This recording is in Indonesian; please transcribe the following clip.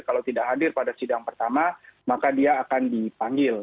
kalau tidak hadir pada sidang pertama maka dia akan dipanggil